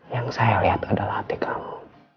yang saya lihat adalah atik kamu